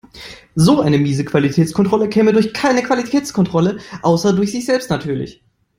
So eine miese Qualitätskontrolle käme durch keine Qualitätskontrolle, außer durch sich selbst natürlich.